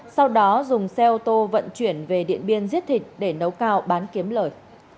sau đó dùng xe ô tô vận chuyển về điện biên giết thịt để nấu cao bán kiếm lời